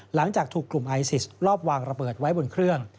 หลังจากถูกกลุ่มไอซิสรอบวางระเบิดไว้บนเครื่อง